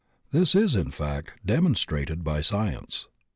This is, in fact, demonstrated by science.